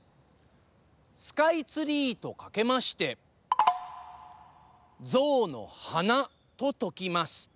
スカイツリーとかけまして象の鼻とときます。